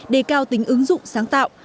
đề cao tính ứng dụng sáng tạo